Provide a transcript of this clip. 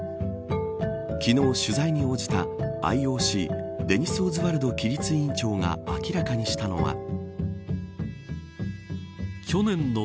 昨日、取材に応じたＩＯＣデニス・オズワルド規律委員長が明らかにしたのは。